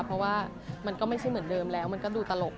เพราะว่ามันก็ไม่ใช่เหมือนเดิมแล้วมันก็ดูตลก